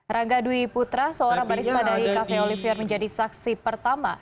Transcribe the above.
rangga dwi putra seorang barista dari cafe olivier menjadi saksi pertama